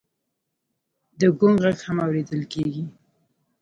د ګونګ غږ هم اورېدل کېږي.